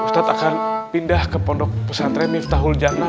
ustadz akan pindah ke pondok pesantren miftahul jana